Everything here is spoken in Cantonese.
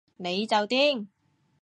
你就癲